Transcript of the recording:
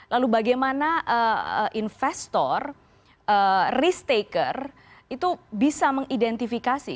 lalu bagaimana investor risk taker itu bisa mengidentifikasi